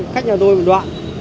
khách nhà tôi một đoạn